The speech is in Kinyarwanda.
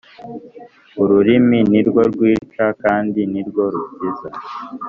ururimi ni rwo rwica kandi ni rwo rukiza,